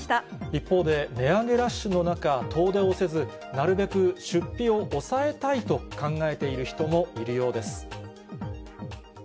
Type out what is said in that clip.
一方で、値上げラッシュの中、遠出をせず、なるべく出費を抑えたいと考えている人もいるようです。